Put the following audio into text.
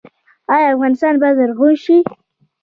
آیا افغانستان به زرغون شي؟